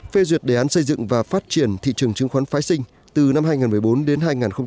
phê duyệt đề án xây dựng và phát triển thị trường chứng khoán phái sinh từ năm hai nghìn một mươi bốn đến hai nghìn hai mươi